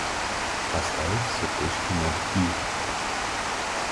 Поставить все точки над «и».